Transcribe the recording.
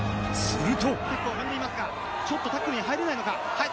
ちょっとタックルに入れないのか？